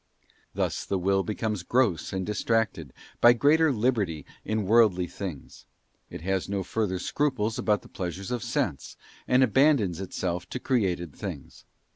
Thus the Will becomes gross and distracted, by greater liberty in worldly things. It has no further scruples about the pleasures of sense, and abandons itself to created things.